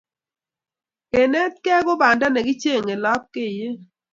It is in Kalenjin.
Kenetkei ko panda ne kichenge lapkeiyet